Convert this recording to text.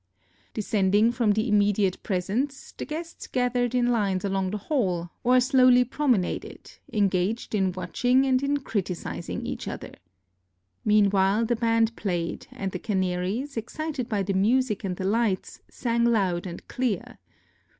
Descending from the immediate presence, the guests gathered in lines along the hall, or slowly promenaded, engaged in watching and in criticising each other. Meanwhile the band played, and the canaries, excited by the music and the lights, sang loud and clear.